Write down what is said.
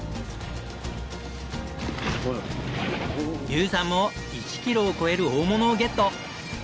優さんも１キロを超える大物をゲット。